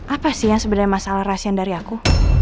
apa sih yang sebenarnya masalah rasion dari aku